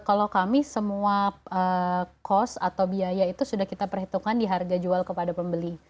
kalau kami semua cost atau biaya itu sudah kita perhitungkan di harga jual kepada pembeli